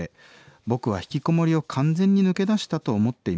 「僕はひきこもりを完全に抜け出したと思っていました。